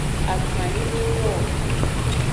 Akpanyi de nyo o.